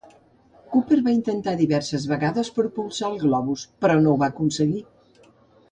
Cooper va intentar diverses vegades propulsar el globus, però no ho va aconseguir.